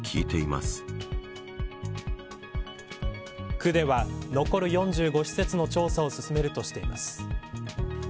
区では、残る４５施設の調査を進めるとしています。